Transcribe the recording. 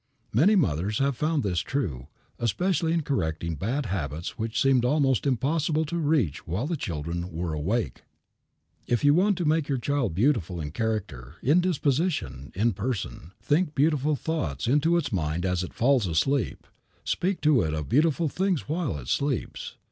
Many mothers have found this true, especially in correcting bad habits which seemed almost impossible to reach while the children were awake. If you want to make your child beautiful in character, in disposition, in person, think beautiful thoughts into its mind as it falls asleep; speak to it of beautiful things while it sleeps.